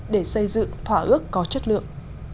để xây dựng thỏa ước có chất lượng